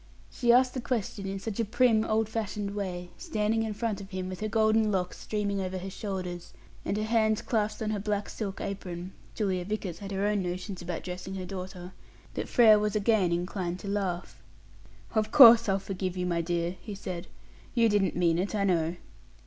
She asked the question in such a prim, old fashioned way, standing in front of him, with her golden locks streaming over her shoulders, and her hands clasped on her black silk apron (Julia Vickers had her own notions about dressing her daughter), that Frere was again inclined to laugh. "Of course I'll forgive you, my dear," he said. "You didn't mean it, I know."